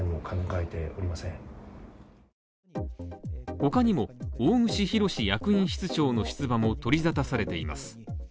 他にも、大串博志役員室長の出馬も取り沙汰されています。